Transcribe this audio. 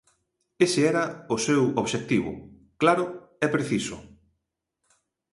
Ese era o seu obxectivo, claro e preciso.